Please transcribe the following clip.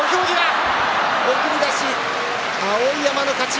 歓声送り出し、碧山の勝ち。